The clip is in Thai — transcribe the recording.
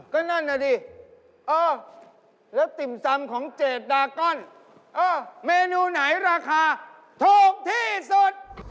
ก็นั่นน่ะดิเออแล้วติ่มซำของเจดดาก้อนเออเมนูไหนราคาถูกที่สุด